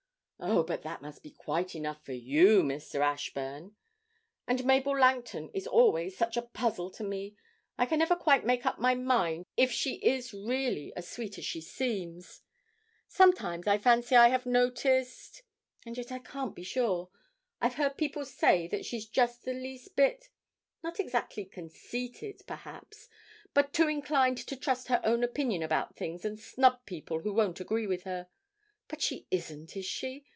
'Oh, but that must be quite enough for you, Mr. Ashburn! And Mabel Langton is always such a puzzle to me. I never can quite make up my mind if she is really as sweet as she seems. Sometimes I fancy I have noticed and yet I can't be sure I've heard people say that she's just the least bit, not exactly conceited, perhaps, but too inclined to trust her own opinion about things and snub people who won't agree with her. But she isn't, is she?